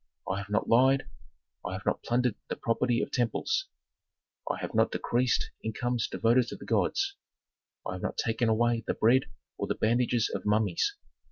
I have not lied, I have not plundered the property of temples. I have not decreased incomes devoted to the gods. I have not taken away the bread or the bandages of mummies.